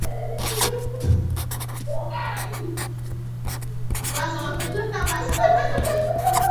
ایا له لوګي ځان وساتم؟